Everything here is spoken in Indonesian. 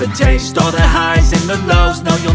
eh api dari mana